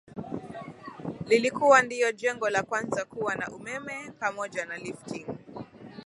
Lilikuwa ndio jengo la kwanza kuwa na umeme pamoja na lifti